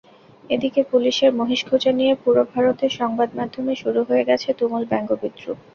এদিকে পুলিশের মহিষ-খোঁজা নিয়ে পুরো ভারতের সংবাদমাধ্যমে শুরু হয়ে গেছে তুমুল ব্যঙ্গ-বিদ্রূপ।